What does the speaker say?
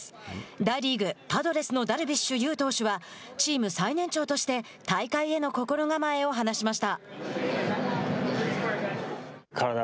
大リーグ、パドレスのダルビッシュ有投手はチーム最年長として大会への心構えを話しました。